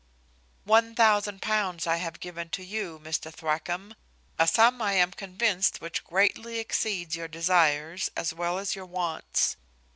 "One thousand pound I have given to you, Mr Thwackum; a sum I am convinced which greatly exceeds your desires, as well as your wants.